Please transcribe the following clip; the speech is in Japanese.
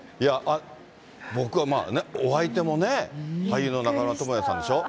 僕はまあね、お相手もね、俳優の中村倫也さんでしょ。